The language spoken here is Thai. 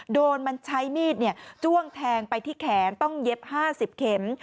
โดนมันใช้มีดจ้วงแทงไปที่แขนต้องเย็บ๕๐เข็ม